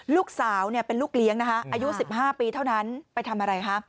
ลูกสาวเป็นลูกเลี้ยงนะคะอายุ๑๕ปีเท่านั้นไปทำอะไรคะ